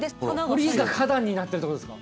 堀が花壇になってるってことですか。